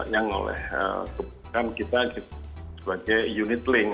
yang dikaitkan dengan unit link